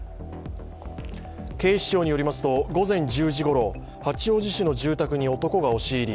警視庁によりますと、午前１０時ごろ、八王子市の住宅に男が押し入り